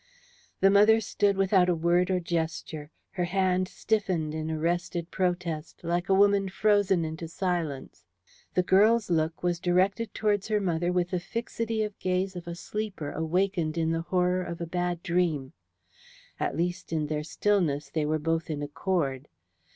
The mother stood without a word or gesture, her hand stiffened in arrested protest, like a woman frozen into silence. The girl's look was directed towards her mother with the fixity of gaze of a sleeper awakened in the horror of a bad dream. At least in their stillness they were both in accord.